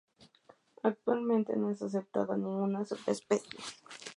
Actualmente no es aceptada ninguna subespecie.